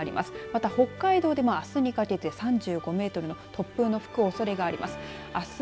また北海道でもあすにかけて３５メートルの突風の吹くおそれがあります。